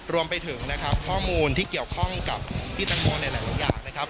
รวมไปถึงนะครับข้อมูลที่เกี่ยวข้องกับพี่ตังโมในหลายอย่างนะครับ